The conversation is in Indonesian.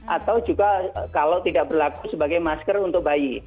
atau juga kalau tidak berlaku sebagai masker untuk bayi